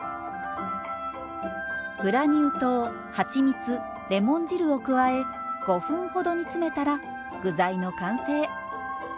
グラニュー糖はちみつレモン汁を加え５分ほど煮詰めたら具材の完成。